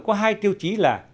có hai tiêu chí là